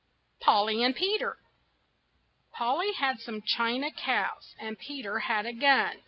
POLLY AND PETER Polly had some china cows And Peter had a gun.